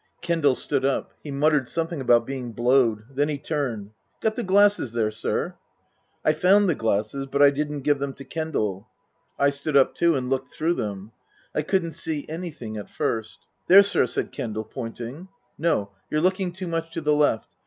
Kendal stood up. He muttered something about being blowed. Then he turned. " Got the glasses there, sir ?" I found the glasses, but I didn't give them to Kendal. I stood up too and looked through them. I couldn't see anything at first. " There, sir," said Kendal, pointing. " No. You're looking too much to the left.